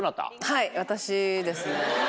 はい私ですね。